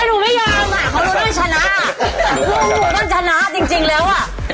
เด้ยดูไม่ยอมโคลน้อยชนะพวกผมต้องชนะจริงแล้วว่ะ